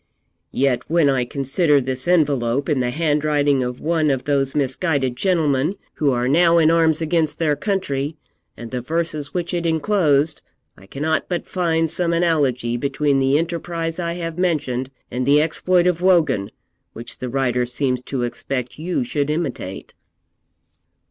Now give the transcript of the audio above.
'Yet when I consider this envelope in the handwriting of one of those misguided gentlemen who are now in arms against their country, and the verses which it enclosed, I cannot but find some analogy between the enterprise I have mentioned and the exploit of Wogan, which the writer seems to expect you should imitate.'